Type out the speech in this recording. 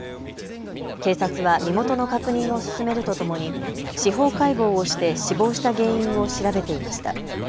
警察は身元の確認を進めるとともに司法解剖をして死亡した原因を調べていました。